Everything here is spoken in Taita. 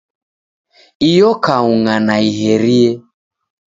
Iyo kaunga naiherie.